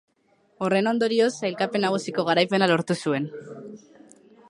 Horren ondorioz, sailkapen nagusiko garaipena lortu zuen.